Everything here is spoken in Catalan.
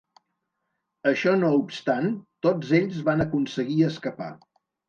Això no obstant, tots ells van aconseguir escapar.